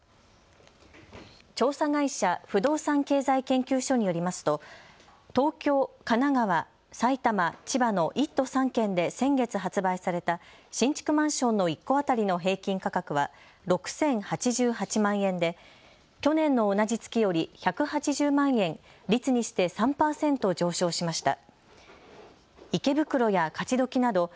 調査会社、不動産経済研究所によりますと東京、神奈川、埼玉、千葉の１都３県で先月発売された新築マンションの１戸当たりの平均価格は６０８８万円で去年の同じ月より１８０万円、率にして３％上昇しました。